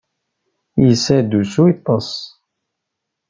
Yessa-d usu yeṭṭes.